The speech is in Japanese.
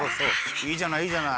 いいじゃないいいじゃない。